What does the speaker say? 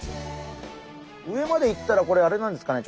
上まで行ったらこれあれなんですかね？